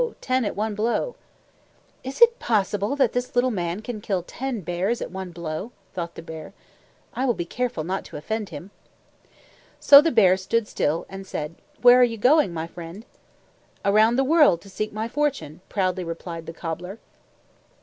Ten at one blow. "Is it possible that this little man can kill TEN BEARS at one blow?" thought the bear, "I will be careful not to offend him." So the bear stood still and said, "Where are you going, my friend?" "Around the world to seek my fortune," proudly replied the cobbler.